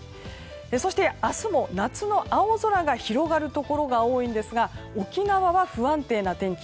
そして明日も夏の青空が広がるところが多いんですが沖縄は不安定な天気。